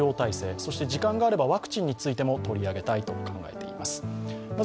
そして、時間があればワクチンについても取り上げたいと考えています。